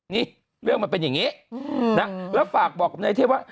นี่เรื่องมันเป็นอย่างนี้นะแล้วฝากบอกกับนายเทพว่า